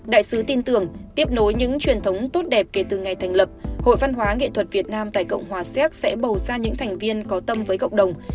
đại sứ tin tưởng tiếp nối những truyền thống tốt đẹp kể từ ngày thành lập hội văn hóa nghệ thuật việt nam tại cộng hòa xéc sẽ bầu ra những thành viên có tâm với cộng đồng